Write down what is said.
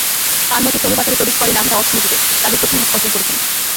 তাঁর মতে, শ্রমবাজারে প্রবেশ করে নারীরা অর্থনীতিতে তাঁদের প্রথম ধাপ অর্জন করেছেন।